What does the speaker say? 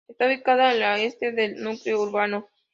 Está ubicada al este del núcleo urbano.